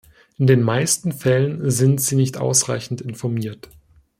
In den meisten Fällen sind sie nicht ausreichend informiert.